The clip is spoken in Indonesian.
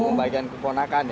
pembaikan keponakan ya